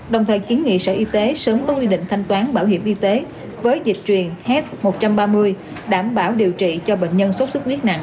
đồng thời kiến nghị sở y tế sớm có quy định thanh toán bảo hiểm y tế với dịch truyền h một trăm ba mươi đảm bảo điều trị cho bệnh nhân sốt xuất huyết nặng